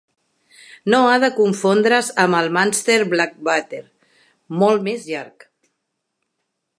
No ha de confondre's amb el Munster Blackwater, molt més llarg.